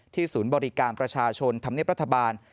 ศูนย์บริการประชาชนธรรมเนียบรัฐบาล